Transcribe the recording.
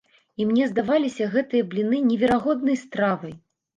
І мне здаваліся гэтыя бліны неверагоднай стравай!